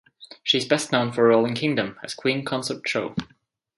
She is best known for her role in "Kingdom" as Queen Consort Cho.